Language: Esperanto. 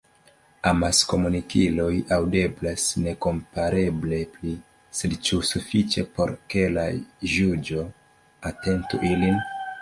Amaskomunikiloj “aŭdeblas” nekompareble pli, sed ĉu sufiĉe por ke la ĵuĝo atentu ilin?